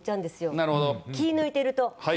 気抜いてると。